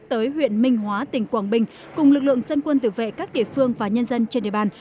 tới huyện minh hóa tỉnh quảng bình cùng lực lượng dân quân tử vệ các địa phương và nhân dân trên địa bàn